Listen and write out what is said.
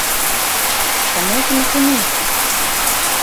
Чаму я там апынуўся?